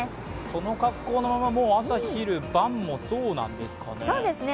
その格好のまま、朝昼晩もそうなんですかね。